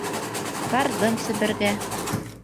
Барҙым Себергә.